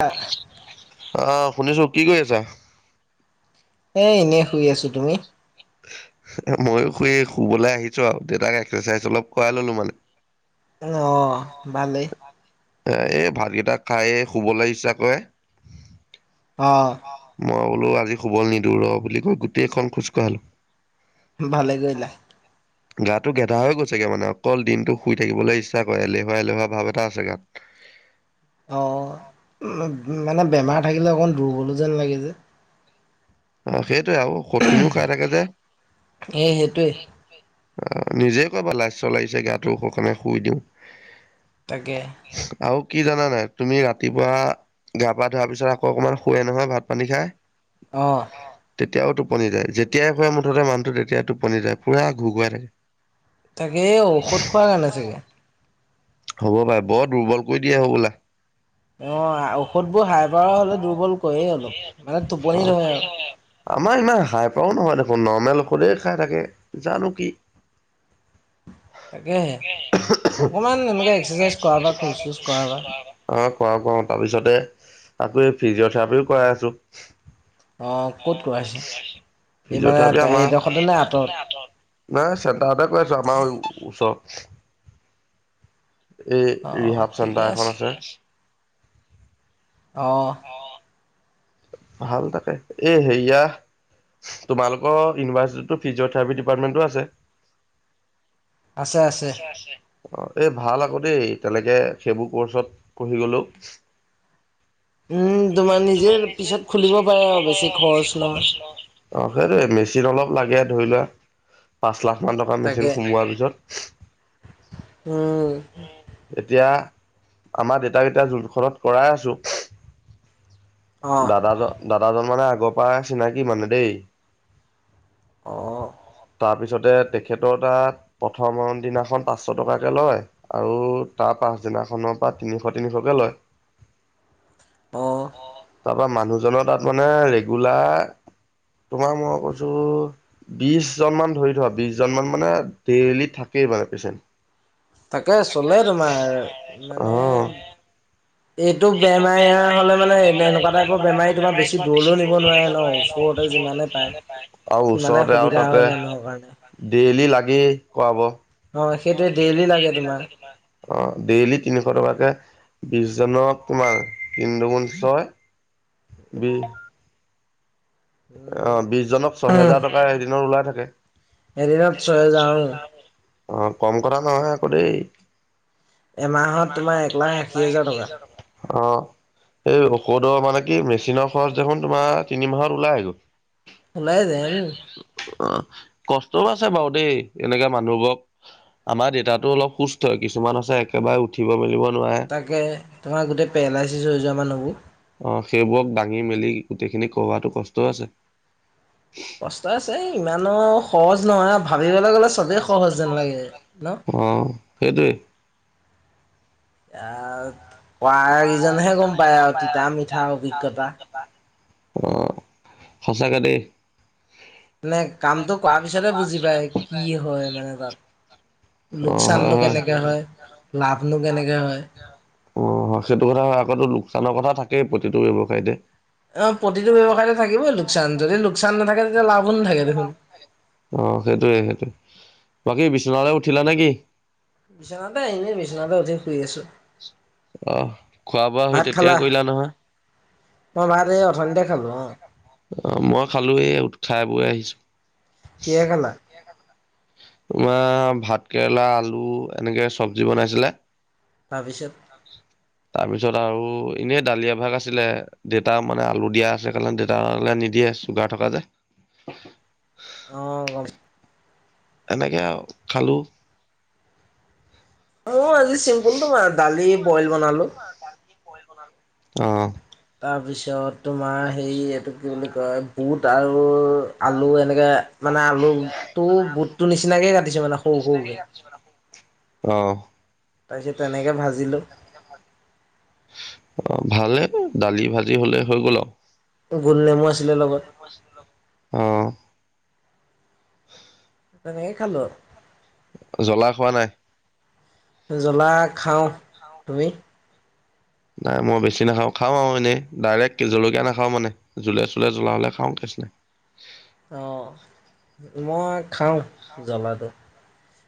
আ অ শুনিছো কি কৰি আছা এই এনেই শুই আছোঁ তুমি ময়ো শু শুবলৈ আহিছো আৰু দেউতাক এক্সাৰচাইজ অলপ কৰাই ললো মানে অঁ ভালেই এ এই ভাতকেইটাাক খাই শুবলৈ ইচ্ছা কৰে অ মই বোলো আজি শুবল নিদুৰ ৰ বুলি কয় গোটেই খোজ কঢ়ালো ভালে কৰিলা গাতটো গেদা হৈ গৈছেগে মানে অকল দিনটো শুই থাকিবলৈ ইচ্ছা কৰে এলেহুৱা এলেহুৱা ভাৱ এটা আছে গাত অঁ মানে বেমাৰ থাকিলে অকণ দুৰ্বলো যেন লাগে যে অ সেইটোৱে আৰু ক'তখিনিও খাই থাকে যে অ নিজে কবা লাজ চ লাগিছে গাটো সুকণে শুই দিওঁ তাকে আৰু কি জানানাই তুমি ৰাতিপুৱা গা পা ধোৱাৰ পিছত আকৌ অকমান শুৱে নহয় ভাত পানী খাই অঁ তেতিয়াও টোপনি যায় যেতিয়াই ফ মুঠতে মানুহটো তেতিয়াই টোপনি যায় পুৰা ঘুগুৱাই থাকে তাকে ঔষধ খোৱাৰ কাৰণে চাগৈ হ'ব বাৰে বৰ দুৰ্বল কৰি দিয়ে'ব বোলা অ ঔষধবোৰ হাই পাৱাৰ হ'লে দুৰ্বল কৰেেই অলপ মানে টোপনিিত ধয় আৰু আমাৰ ইমান হাইপাও নহয় দেখোন নৰ্মেল ঔষধে খাই থাকে জানো কি তাকেহে অকণমান এনেকৈ এক্সাৰচাইজ কৰা বা খোজ চোজ কৰা বা অ খও কৰও তাৰ পিছতে আকৌ এই ফিজিঅথেৰাপিও কৰাই আছো অঁ ক'ত কৰাছে এই মানে এইডোখৰতে নে আঁতৰত নাই চেণ্ন্তাৰতে কৈ আছো আমাৰ ওচৰত এই ৰিহাব চেণ্টাৰ এখন আছে অঁ ভাল তাকে এ হেয়া তোমালৰ ইউনিভাৰ্চিটিততো ফিজিঅথেৰাপি ডিপাৰটমেণ্টটো আছে অ এই ভাল আকৌ দেই তেনেকে সেইবোৰ কৰ্চত পঢ়ি গলো উম তোমাৰ নিজে পিছত খুলিব পাৰা বেছি খৰচ ন অঁ সেইটোৱে মেচিন অলপ লাগে ধৰি লোৱা পাঁচ লাখ মান টকা মেচিন সোমোৱাৰ পিছত উম এতিয়া আমাৰ দেউতাকেইটায়া জোনখনত কৰাই আছো দাদাজন দাদাজন মানে আগৰ পৰা চিনাকি মানে দেই অঁ তাৰপিছতে তেখেতৰ তাত প্ৰথম দিনাখন পাঁচশ টকাকে লয় আৰু তাৰ পাছদিনাখনৰ পৰা তিনিশ তিনিশকে লয় অঁ তাৰ পৰা মানুহজনৰ তাত মানে ৰেগুলাৰ তোমাৰ মই কৈছো বিশ জন মান ধৰি থোৱা বিশ জন মান মানে ডেইলি থাকেই মানে পেচেণ্ট তাকে চলে তোমাৰ মানে এইটো বেমাৰ হলে মানে এনেকুৱা টাইপৰ বেমাৰী তোমাৰ বেছি দূৰলৈ নিব নোৱাৰে ন ওচৰত যিমানে পায় সিমানে অসুবিধা হয় মানুহৰ কাৰণে ডেইলি লাগি কৰাব অ সেইটোয়ে ডেইলি লাগে তোমাৰ অ ডেইলি তিনিশ টকাকে বিশজনক তোমাৰ তিনুন ছয় দি অ বিশজনক ছহেজাৰ টকা এদিনৰ ওলাই থাকে হেৰিনত চয় যাওঁ অ কম কৰা নহয় আকৌ দেই এমাহত তোমাৰ এক লাখ আশী হাজাৰ টকা অ এই ঔষধ মানে কি মেচিনৰ খৰচ দেখোন তোমাৰ তিনি মাহত ওলাই [inaudible] ওলাই যমি অ কষ্টও আছে বাৰু দেই এনেককা মানুহবোৰক আমাৰ দেউতাতো অলপ সুস্থ কিছুমান আছে একেবাৰে উঠিব মেলিব নোৱাৰে তাকে তোমাৰ গোটেই পেৰালাইচিছ হৈ যোৱা মানুহ'বোৰ অ সেইবোৰক দাঙি মেলি গোটেইখিনি কৰাতো কষ্টও আছে কষ্ট আছে ইমানো সহজ নহয় আৰু ভাবিবলৈ গ'লে চবেই সহজ যেন লাগে ন অঁ ফেদ ক ইজনহে গম পায় আৰু তিতা মিঠাৰ অভিজ্ঞতা অঁ সঁচাকৈ দেই নে কামটো কৰাৰ পিছতেহ বুজি পায় কি হয় মানে তাত লোকচাননো কেনেকে হয় লাভনো কেনেকে হয় সেইটো কথা হয় আকতো লোকচানৰ কথা থাকেই প্ৰতিটো ব্যৱসায়তে অ প্ৰতিটো ব্যয়ৱসায়তে থাকিবই লোকচান যদি লোকচান নাথাকে তেতিয়া লাভো নাথাকে দেখোন অ সেইটয়ে সেইটোয়ে বাকী বিশ্বনে উঠিলা নে কি বিচনাতে আহনে বিচনাথতে অধিক শুই আছো অ খোৱা বোৱা হৈ তেতিয়াই কৰিলা নহয় মই মাহ অৰ্থিয়া খাবো অ অ মই খালোয় উ খাই বৈ আহিছো কেগলা তোমাৰ ভাত কেৰেলা আলু এনেকে চব্জি বনাইছিলে ভৱিষ্যত তাৰপিছত আৰু এনেই ডালিয়া ভাগ আছিলে দেউতা মানে আলু দিয়া আছে কাৰণে দেউেতালে নিদিয়ে, চুগাৰ থকা যে। অ' এনেকে খালোঁ। মোৰ আজি চিম্পুলো দালি বইল বনালো। অ' তাৰপিছত তোমাৰ হেৰি এইটো কি বুলি কয় বুট আৰু আলু এনেকৈ মানে আলুটো বুটটোৰ নিচিনাকৈ কাটিছে মানে সৰু সৰুকৈ। অহ' তাৰপিছত তেনেকৈ ভাজিলোঁ। অ' ভালে দালি ভাজি হ'লে হৈ গ'ল আৰু। গোলনেমু আছিলে লগত। [unintelligible] তেনেকেই খালোঁ আৰু। জ্বলা খোৱা নাই। জ্বলা খাওঁ, তুমি? নাই মই বেছি নাখাওঁ, খাওঁ আৰু এনেই ডাইৰেক্ট জলকীয়া নাখাওঁ মানে। জুল চুলে জ্বলা হ'লে খাওঁ কেচনাই। অ' মই খাওঁ জ্বলাটো।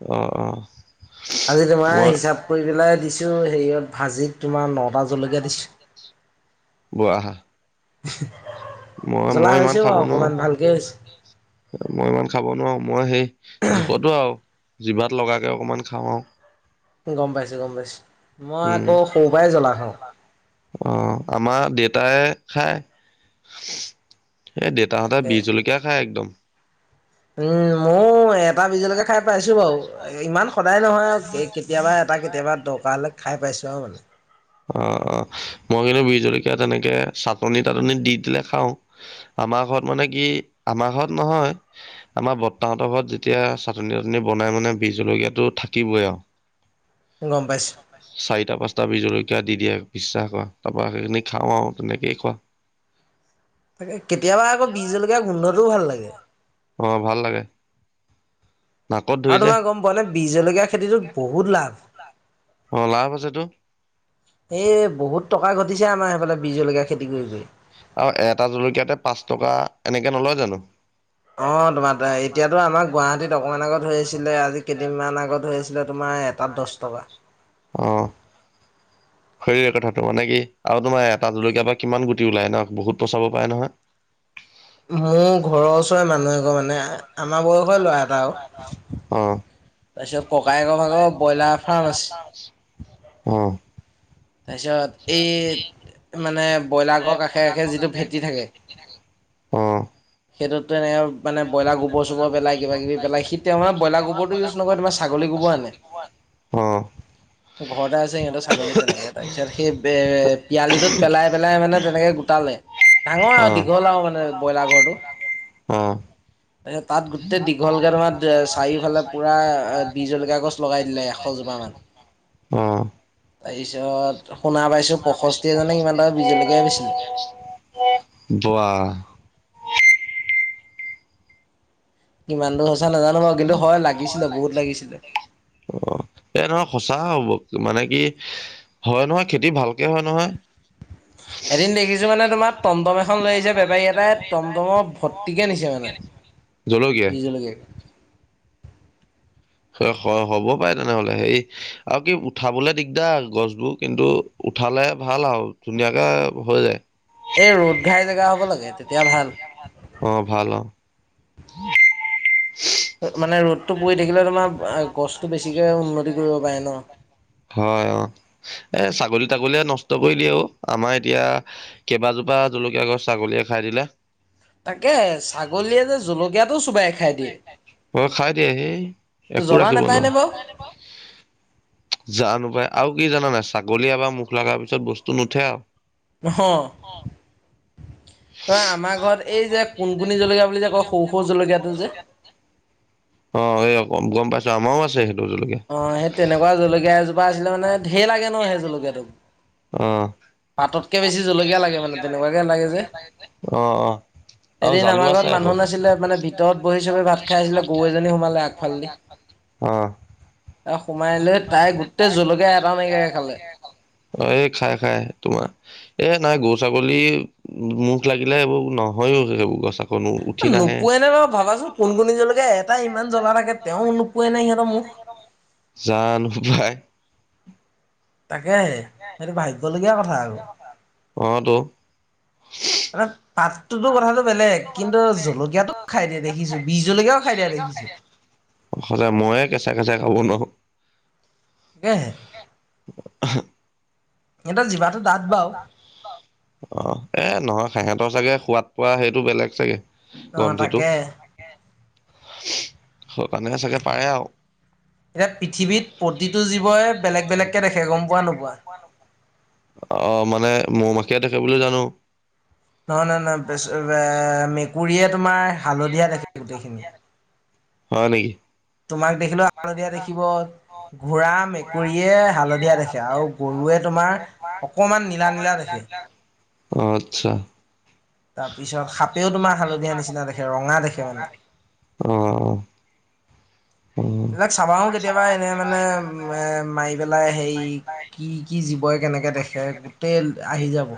অ' আজি তোমাৰ হিচাপ কৰি পেলাই দিছোঁ হেৰিয়ত ভাজিত তোমাৰ নটা জলকীয়া দিছোঁ। জ্বলা হৈছে বাৰু অকনমান ভালকে হৈছে। মই ইমান খাব নোৱাৰো মই সেই জোখতো আৰু জিভাত লগাকে অকমান খাওঁ আৰু গ'ম পাইছো, গ'ম পাইছো, মই আকৌ সৰু পৰাই জ্বলা খাওঁ। অ' আমাৰ দেইতাই খায়। এই দেউতাহঁতৰ বিহ জলকীয়া খায় একদম। উম, মৌ এটা বিহ জলকীয়া খাই পাইছোঁ বাৰু, ইমান সদায় নহয় আৰু কেতিয়াবা এটা কেতিয়াবা দৰকাৰ হ'লে খাই পাইছোঁ আৰু মানে। অ' অ' মই কিন্তু বিহ জলকীয়া তেনেকে চাটনি তাটনিত দি দিলে খাওঁ। আমাৰ ঘৰত মানে কি আমাৰ ঘৰত নহয়। আমাৰ বৰ্তাহত ঘৰত যেতিয়া চাটনি তাটনি বনাই মানে বীহ জলকীয়াটো থাকিবই আৰু গ'ম পাইছোঁ। চাৰিটা পাঁচটা বিহ জলকীয়া দি দিয়ে বিশ্বাস কৰা তাৰ পৰা সেইখিনি খাওঁ আৰু তেনেকেই কোৱা। তাকে কেতিয়াবা আকৌ বীহ জলকীয়া গোন্ধটোও ভাল লাগে। অ' ভাল লাগে। আৰু তোমাৰ গ'ম পোৱা নে বিহ জলকীয়া খেতিটোত বহুত লাভ। উম, লাভ আছেতো। এই বহুত টকা ঘটিছে আমাৰ সেইফালে বীহ জলকীয়া খেতি কৰি কৰি। আৰু এটা জলকীয়াতে পাঁচ টকা এনেকে নলয় জানোঁ। অ' এতিয়াতো আমাৰ গুৱাহাটীত অকমান আগত [unintelligible] তোমাৰ এটাত দছ টকা অ'। সেই কথাটো মানে কি আৰু তোমাৰ এটা জলকীয়া বা কিমান গুটি ওলাই ন বহুত পচাব পাৰে নহয়। [unintelligible] মোৰ ঘৰৰ ওচৰৰে মানুহ এঘৰত মানে আমাৰ বয়সৰ ল'ৰা এটা আৰু। অ' তাৰপিছত ককাইকৰ ভাগৰ ব্ৰইলাৰ ফ্ৰাৰ্ম আছে। অ' তাৰপিছত, এই মানে ব্ৰইলাৰৰ ঘৰৰ কাষে কাষে যিটো ভেটি থাকে অ'। সেইটোত তেনেক মানে ব্ৰইলাৰ গোৰ চোব পেলাই কিব কিবি পেলাই সি তেওঁে ব্ৰইলাৰ গোবৰটো ইউজ ন তমাৰ ছাগলীোব আনে অ ঘৰতে আছে সিহঁৰ ছাগলী তেনেকে তাৰপিছত সেই পিয়ালিটোত পেলাই পেলাই মানে তেনেকে গোটালে ডাঙৰ আৰু দীঘল আৰু মানে ব্ৰইলাৰ ঘৰটো তাৰপিছত তাত গোটেই দীঘলকে তোমাৰ চাৰিওফালে পুৰা বিজ জলকীয়া গছ লগাই দিলে এশজোপামান অ তাৰ পিছত সুনা পাইছ বোৱা ইমান দো সঁচা নাজানো বাৰু কিন্তু হয় লাগিছিলে বহুত লাগিছিলে অ' এই নহয় সঁচা হ'ব মানে কি হয় নহয় খেতি ভালকে হয় নহয়। এদিন দেখিছো মানে তোমাৰ। টমটম এখন লৈ আহিছে বেপাৰী এটাই টমটমৰ ভৰ্তিকে নিছে মানে। জ্বলকীয়া। হয় হ'ব পাৰে তেনেহ'লে সেই আৰু কি উঠাবলে দিগদাৰ গছবোৰ কিন্তু। উঠালে ভাল আৰু ধুনীয়াকে হৈ যায়। এই ৰ'দ ঘাই জেগা হ'ব লাগে তেতিয়া ভাল। অ' ভাল অ'। মানে ৰ'দটো পৰি থাকিলে তোমাৰ গছটো বেছিকে উন্নতি কৰিব পাৰে ন। হয় অ' এ ছাগলী তাগলীয়ে নষ্ট কৰি দিয়েও আৰু আমাৰ এতিয়া কেইবাজোপা জলকীয়া গছ ছাগলীয়ে খাই দিলে। [unintelligible] খাই দিয়ে সেই। একো ৰাখিব নোৱাৰ। জানো পাই আৰু কি জানা নাই ছাগলী এবাৰ মুখ লগাৰ পিছত বস্তু নুঠে আৰু। [unintelligible] আমাৰ ঘৰত এই যে কোন কণী জলকীয়া বুলি যে কয় সও সও জলকীয়াটো যে। অ' এই অম গম পাইছো আমাৰও আছে সে অ' সেই তেনেকুৱা জলকীয়া এজোপা আছিলে মানে ধেৰ লাগে ন সেই জলকীয়াতো। অ'। পাততকে বেছি জলকীয়া লাগে মানে তেনেকুৱাকে লাগে যে। এদিন আমাৰ ঘৰত মানুহ নাছিলে মানে ভিতৰত বহি চবে ভাত খাই আছিলে গৰু এজনী সোমালে আগফালেদি অ'। সোমাই লৈ তাই গোটেই জলকীয়া এটা নাইকিয়া কৈ খালে। অ' এই খাই খাই তোমাৰ। এ নাই গৰু ছাগলী মুখ লাগিলে এইবোৰ নহয়ও সেইবোৰ গছ নোপোৱাই নাই বাৰু ভাবাচোন কোন কোনী জলকীয়া এটা ইমান জ্বলা থাকে তেওঁ নোপোৰে নে সিহঁতৰ মুখ। জানো পাই তাকেহে সেইটো ভাবিবলগীয়া কথা আকৌ। অ' তো। পাতটোতো কথাটো বেলেগ কিন্তু জলকীয়াটো খাই দিয়ে দেখিছোঁ বীহ জলকীয়াও খাই দিয়া দেখিছো। সচায় ময়ে কেঁচা কেঁচা খাব নোৱাৰো। [unintelligible] এহতৰ জিবা অ' এ নহয় সেহঁতৰ চাগে সোৱাদ পোৱা সেইটো বেলেগ চাগে। গন্ধিটো সকাৰনেকে চাগে পাৰে আৰু। এতিয়া পৃথিৱীত প্ৰতিটো জীৱই বেলেগ বেলেগকে দেখে গম পোৱা নোপোৱা। অ' মানে মৌ মাখিয়ে দেখে বুলি জানো। নহয় নহয় নহয় মেকুৰীয়ে তোমাৰ হালধীয়া দেখে গোটেইখিনি। হয় নেকি। তোমাক দেখিলে হালধীয়া দেখিব। ঘোঁৰা মেকুৰীয়ে হালধীয়া দেখে আৰু গৰুৱে তোমাৰ অকমান নীলা নীলা দেখে। অ' আচ্ছা। তাৰপিছত সাপেও তোমাৰ হালধীয়া নিচিনা দেখে ৰঙা দেখে মানে। এইবিলাক চাবাও কেতিয়াবা এনে মানে মাৰি পেলাই সেই কি কি জীৱই কেনেকৈ দেখে গোটেই আহি যাব।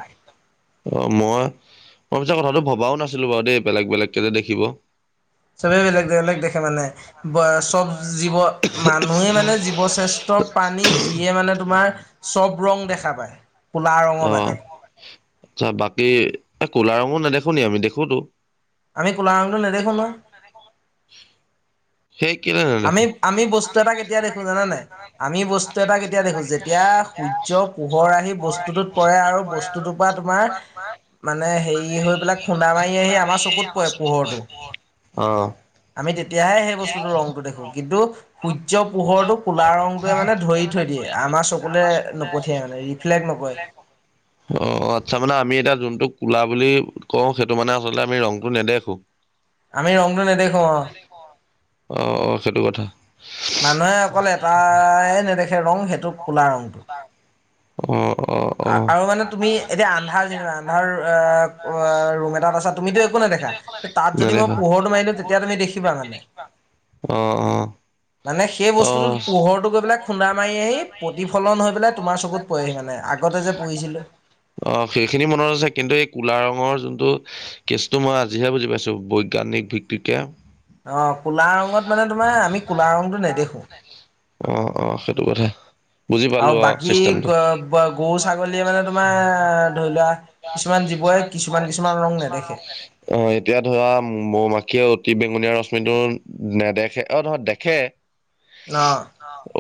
অ', মই, মই পিছত কথাটো ভবাও নাছিলোঁ বাৰু দেই বেলেগ বেলেগকে যে দেখিব। চবেই বেলেগ বেলেগ দেখে মানে চব জীৱ মানুহে মানে জীৱ শ্ৰেষ্ঠ প্ৰাণী যিয়ে মানে তোমাৰ চব ৰং দেখা পায় কলা ৰঙৰ বাদে। আচ্ছা বাকী এ কলা ৰঙো নেদেখো নেকি আমি দেখো তো। আমি কলা ৰঙটো নেদেখো নয়। আমি আমি বস্তু এটা কেতিয়া দেখোঁ জানানে নাই? আমি বস্তু এটা কেতিয়া দেখোঁ, যেতিয়া সূৰ্য পোহৰ আহি বস্তুটোত পৰে আৰু বস্তুটোৰ পৰা তোমাৰ মানে হেৰি হৈ পেলাই খুন্দা মাৰি আহি আমাৰ চকুত পৰে পোহৰটো। অ', আমি তেতিয়াহে সেই বস্তুটো ৰংটো দেখো, কিন্তু সূয্য পোহৰটো ক'লা ৰংটোৱে মানে ধৰি থৈ দিয়ে, আমাৰ চকুলে নপঠিয়াই মানে, ৰিফ্লেক্ট নকৰে। অ', আচ্ছা মানে আমি এতিয়া যোনটো কুলা বুলি কওঁ, সেইটো মানে আচলতে আমি ৰংটো নেদেখোঁ। আমি ৰংটো নেদেখোঁ অ', অ, অ, সেইটো কথা। মানুহে অকল এটাই নেদেখে ৰং সেইটো কুলা ৰংটো। আ আৰু মানে তুমি এতিয়া আন্ধাৰ যেনিবা আন্ধাৰ এ উৱে ৰুম এটাত আছা তুমিতো একো নেদেখা। তাত যদি মই পোহৰটো মাৰি দিওঁ, তেতিয়া তুমি দেখিবা মানে। অ', অ', মানে সেই বস্তুটোত পোহৰটো গৈ পেলাই খুন্দা মাৰি আহি প্ৰতিফলন হৈ পেলাই তোমাৰ চকুত পৰেহি মানে আগতে যে পঢ়িছিলোঁ? অ', সেইখিনি মনত আছে কিন্তু, এই কুলা ৰঙৰ যোনটো কেছটো মই আজিহে বুজি পাইছোঁ বৈজ্ঞানিক ভিত্তিকে। অ', কুলা ৰঙত মানে তোমাৰ আমি কুলা ৰংটো নেদেখোঁ। অ', অ', সেইটো কথা। আৰু বাকী গ, ব, গৰু ছাগলীয়ে মানে তোমাৰ ধৰি লোৱা কিছুমান জীৱই কিছুমান কিছুমান ৰং নেদেখে। অ', এতিয়া ধৰা মৌ মাখিয়ে অতি বেঙুনীয়া ৰশ্মি কিন্তু, নেদেখে অ', নহয় দেখে ন'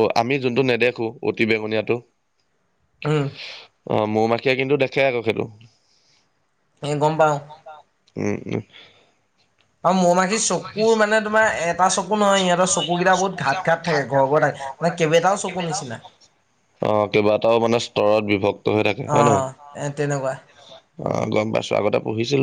অ, আমি যোনটো নেদেখোঁ অতি বেঙুনীয়াটো উম, অ', মৌ মাখিয়ে কিন্তু দেখে আকৌ সেইটো। এই গম পাওঁ। উম, উম, অ', মৌ মাখি চকুৰ মানে তোমাৰ এটা চকু নহয়, সিহঁতৰ চকু কেইটা বহুত ঘাত ঘাট থাকে, ঘৰ ঘৰ থাকে, মানে কেইবেইটাও চকু নিচিনা। অ', কেইবাটাও মানে স্তৰত বিভক্ত হৈ থাকে, হয় নে নহয়? এ তেনেকুৱাই। অ', গম পাইছোঁ, আগতে পঢ়িছিলোঁ।